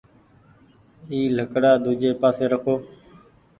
اي لڪڙآ ۮوجي پآسي رکو